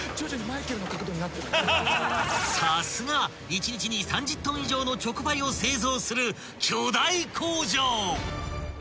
［さすが１日に３０ｔ以上のチョコパイを製造する巨大工場］